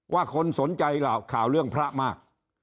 คนสนใจข่าวเรื่องพระมาก